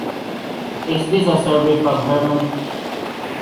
Is this a survey from Herman?